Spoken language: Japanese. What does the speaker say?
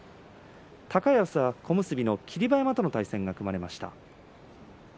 高安は小結霧馬山との対戦が組まれています。